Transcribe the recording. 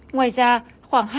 ngoài ra khoảng hai mươi ba tỷ đồng